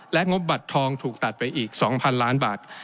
และงบบัตรทองถูกตัดไปอีก๒๐๐๐ล้านบาท